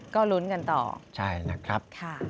ก็ลุ้นกันต่อใช่นะครับ